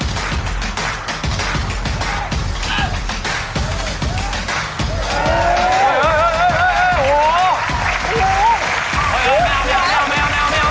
ดูที่ฟังสุดดูที่ฟังสุด